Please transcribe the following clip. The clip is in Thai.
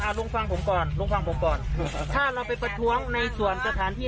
ลุงฟังผมก่อนลองฟังผมก่อนถ้าเราไปประท้วงในส่วนสถานที่